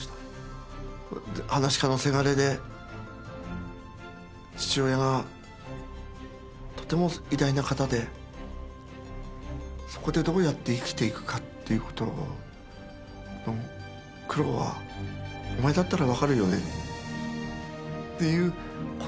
噺家のせがれで父親がとても偉大な方でそこでどうやって生きていくかっていうことの苦労はお前だったら分かるよねっていうことを教えて下さったのかな。